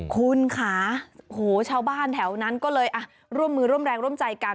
คุณค่ะโหชาวบ้านแถวนั้นก็เลยร่วมมือร่วมแรงร่วมใจกัน